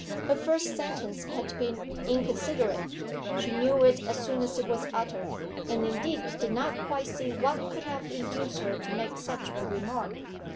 Her first sentence had been inconsiderate; she knew it as soon as it was uttered, and indeed did not quite see what could have induced her to make such a remark.